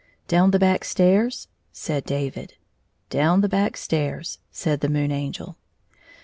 "Down the back stairs?" said David. " Down the back stairs," said the Moon Angel.